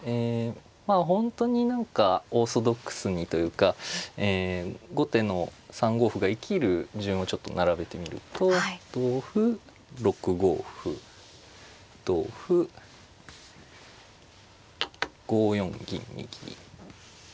まあ本当に何かオーソドックスにというか後手の３五歩が生きる順をちょっと並べてみると同歩６五歩同歩５四銀右。